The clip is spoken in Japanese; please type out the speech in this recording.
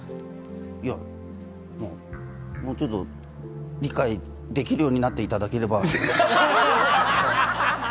いや、もうちょっと理解できるようになっていただければ。